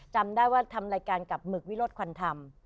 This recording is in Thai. จำได้ว่าทำรายการกับหมึกวิโรธควันธรรม